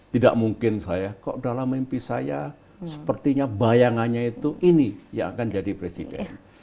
tidak mungkin saya kok dalam mimpi saya sepertinya bayangannya itu ini yang akan jadi presiden